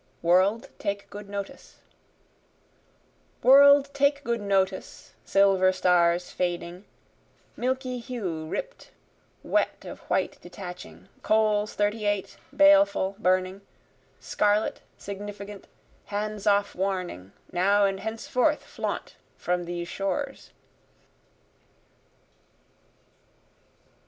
World Take Good Notice World take good notice, silver stars fading, Milky hue ript, wet of white detaching, Coals thirty eight, baleful and burning, Scarlet, significant, hands off warning, Now and henceforth flaunt from these shores.